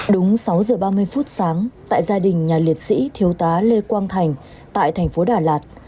đúng sáu giờ ba mươi phút sáng tại gia đình nhà liệt sĩ thiếu tá lê quang thành tại thành phố đà lạt